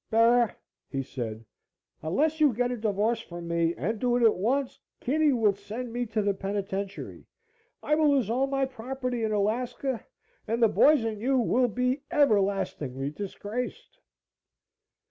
"Bera," he said, "unless you get a divorce from me, and do it at once, Kitty will send me to the penitentiary; I will lose all my property in Alaska, and the boys and you will be everlastingly disgraced."